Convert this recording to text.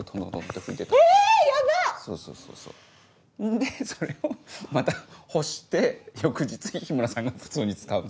でそれをまた干して翌日に日村さんが普通に使うんです。